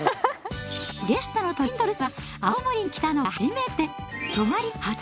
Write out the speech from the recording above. ゲストのトリンドルさんは青森に来たのが初めて。